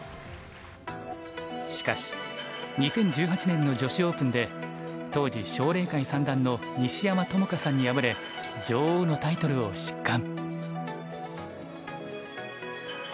しかし２０１８年の女子オープンで当時奨励会三段の西山朋佳さんに敗れ女王のタイトルを失冠。